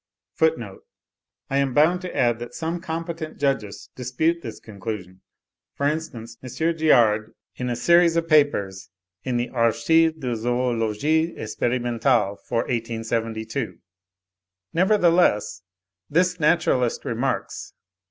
(25. But I am bound to add that some competent judges dispute this conclusion; for instance, M. Giard, in a series of papers in the 'Archives de Zoologie Experimentale,' for 1872. Nevertheless, this naturalist remarks, p.